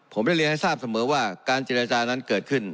ผมได้เรียนให้ทราบเสมอว่าการเจรจานั้นเกิดขึ้น